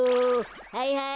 はいはい！